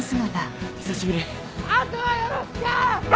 あとはよろしく！